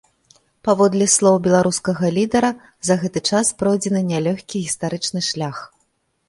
Паводле слоў беларускага лідара, за гэты час пройдзены нялёгкі гістарычны шлях.